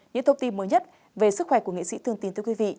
những thông tin mới nhất về sức khỏe của nghệ sĩ thương tín